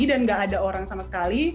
dan enggak ada orang sama sekali